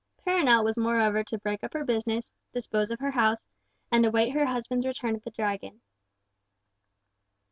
Perronel was moreover to break up her business, dispose of her house, and await her husband's return at the Dragon.